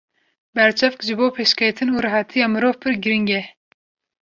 Berçavk ji bo pêşketin û rehetiya mirov pir girîng e.